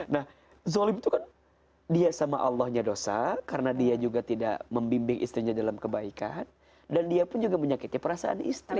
nah zolim itu kan dia sama allahnya dosa karena dia juga tidak membimbing istrinya dalam kebaikan dan dia pun juga menyakiti perasaan istri